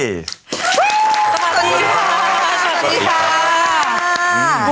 สวัสดีค่ะ